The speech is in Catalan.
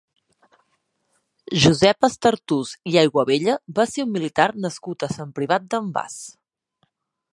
Josep Estartús i Aiguabella va ser un militar nascut a Sant Privat d'en Bas.